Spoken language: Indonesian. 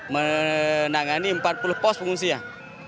menangani empat puluh pos pengungsian